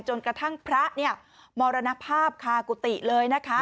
กระทั่งพระเนี่ยมรณภาพคากุฏิเลยนะคะ